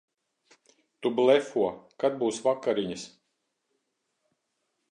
Tu blefo. Kad būs vakariņas?